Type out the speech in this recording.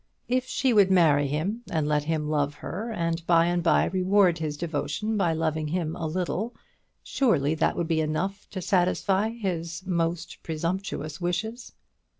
If she would marry him, and let him love her, and by and by reward his devotion by loving him a little, surely that would be enough to satisfy his most presumptuous wishes.